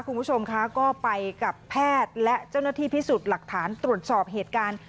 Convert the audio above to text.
คุณผู้ชมคะก็ไปกับแพทย์และเจ้าหน้าที่พิสูจน์หลักฐานตรวจสอบเหตุการณ์